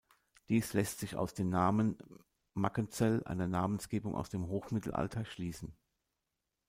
Dies lässt sich aus dem Namen Mackenzell, einer Namensgebung aus dem Hochmittelalter, schließen.